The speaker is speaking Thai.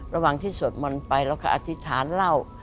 ระหว่างที่สวดมนต์ไปเราก็อธิษฐานเล่า